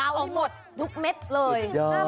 เอาให้หมดทุกเม็ดเลย